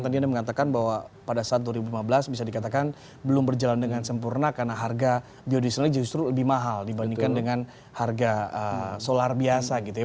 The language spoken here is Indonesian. tadi anda mengatakan bahwa pada saat dua ribu lima belas bisa dikatakan belum berjalan dengan sempurna karena harga biodieselnya justru lebih mahal dibandingkan dengan harga solar biasa gitu ya